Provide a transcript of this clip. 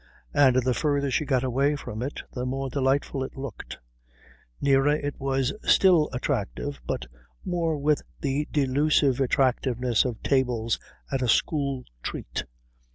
And the further she got away from it the more delightful it looked. Nearer it was still attractive but more with the delusive attractiveness of tables at a school treat.